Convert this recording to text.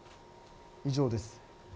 以上です。